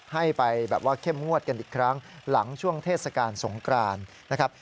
ให้ไปแบบว่าเข้มงวดกันอีกครั้งหลังช่วงเทศกาลสงกรานนะครับ